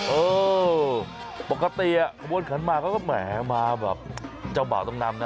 เออปกติขบวนขันหมากเขาก็แหมมาแบบเจ้าบ่าวต้องนำนะ